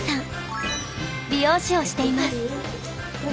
美容師をしています。